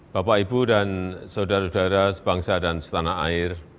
bapak ibu dan saudara saudara sebangsa dan setanah air